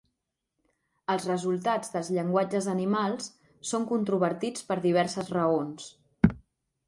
Els resultats dels llenguatges animals són controvertits per diverses raons.